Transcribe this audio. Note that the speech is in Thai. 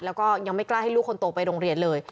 แล้วก็ยังไม่กล้าให้ลูกคนโตไปโรงเรียนเลย